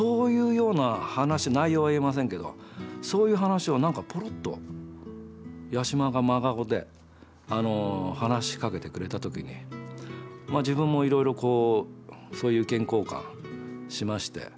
内容は言えませんけどそういう話を、ぽろっと、八嶋が真顔で話しかけてくれた時に自分もいろいろそういう意見交換しまして。